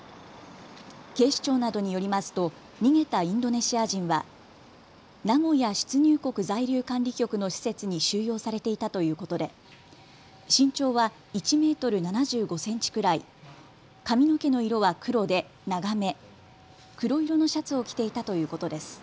警視庁などによりますと逃げたインドネシア人は名古屋出入国在留管理局の施設に収容されていたということで身長は１メートル７５センチくらい、髪の毛の色は黒で長め、黒色のシャツを着ていたということです。